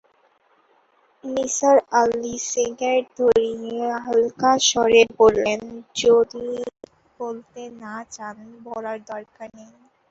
Nisar Ali cigarette ধরিয়ে হালকা স্বরে বললেন, যদি বলতে না-চান বলার দরকার নেই।